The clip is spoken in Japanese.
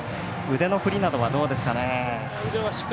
腕の振りなどはどうですか？